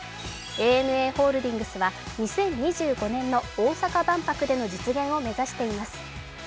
ＡＮＡホールディングスは２０２５年の大阪万博での実現を目指しています。